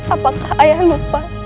apakah ayah lupa